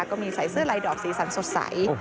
ก็มีใส่เสื้อลายดอกสีสันสดใส